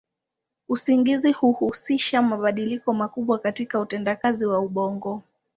Usingizi huhusisha mabadiliko makubwa katika utendakazi wa ubongo.